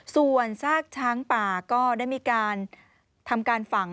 ส่วนซากช้างป่าก็ได้มีการทำการฝัง